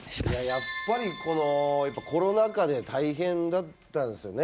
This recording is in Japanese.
やっぱり、このコロナ禍で大変だったですよね。